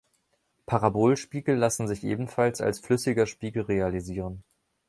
Parabolspiegel lassen sich ebenfalls als flüssiger Spiegel realisieren.